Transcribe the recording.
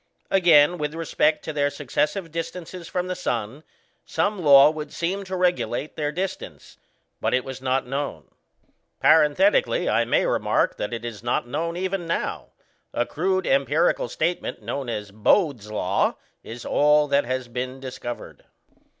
Again, with respect to their successive distances from the sun, some law would seem to regulate their distance, but it was not known. (Parenthetically I may remark that it is not known even now: a crude empirical statement known as Bode's law see page 294 is all that has been discovered.)